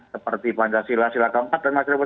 seperti pancasila silah keempat dan mas ribu